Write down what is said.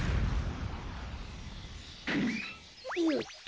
よっと。